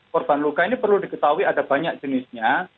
korban luka ini perlu diketahui ada banyak jenisnya